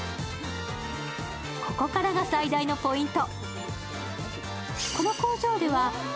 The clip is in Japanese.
ここからが最大のポイント。